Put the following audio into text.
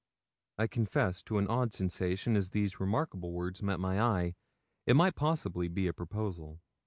I confess to an odd sensation as these remarkable words met my eye. It might possibly be a proposal.